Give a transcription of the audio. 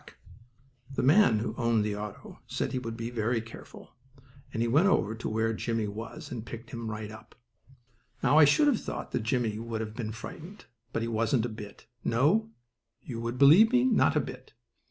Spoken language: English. The man who owned the auto said he would be careful, and he went over to where Jimmie was, and picked him right up. Now I should have thought that Jimmie would have been frightened, but he wasn't a bit, no, would you believe me, not a bit.